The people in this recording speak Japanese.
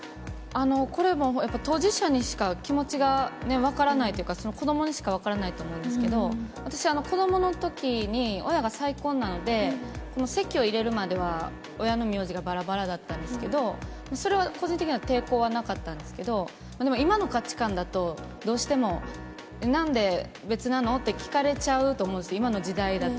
これも当事者にしか気持ちがね、分からないというか、その子どもにしか分からないと思うんですけれども、私、子どものときに親が再婚なので、籍を入れるまでは親の名字がばらばらだったんですけど、それは個人的には抵抗はなかったんですけど、でも、今の価値観だと、どうしても、なんで別なの？って聞かれちゃうと思うんですよ、今の時代だと。